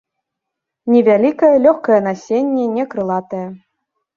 Невялікае, лёгкае насенне не крылатае.